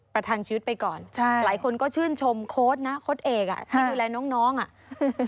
ประทังชีวิตไปก่อนใช่หลายคนก็ชื่นชมโค้ดนะโค้ดเอกอ่ะที่ดูแลน้องน้องอ่ะ